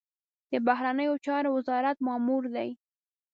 د بهرنیو چارو وزارت مامور دی.